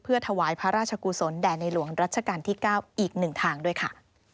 ถวายพระราชกุศลแด่ในหลวงรัชกาลที่๙อีกหนึ่งทางด้วยค่ะ